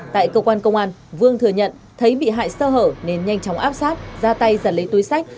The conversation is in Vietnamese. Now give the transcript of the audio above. tại cơ quan công an vương thừa nhận thấy bị hại sơ hở nên nhanh chóng áp sát ra tay giật lấy túi sách